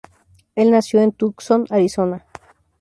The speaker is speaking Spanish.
El nació en Tucson, Arizona.